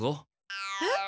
えっ？